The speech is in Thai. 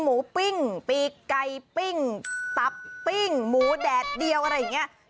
ปิ้งปีกไก่ปิ้งตับปิ้งหมูแดดเดียวอะไรอย่างนี้